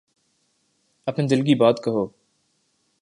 اپنے دل کی بات کہو۔